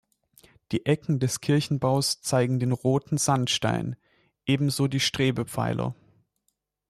Die Ecken des Kirchenbaus zeigen den roten Sandstein, ebenso die Strebepfeiler.